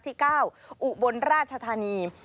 ที่๙อุบลราชธานี